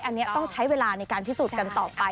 อันนี้ต้องใช้เวลาในการพิสูจน์กันต่อไป